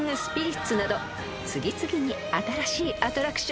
［次々に新しいアトラクションがスタート］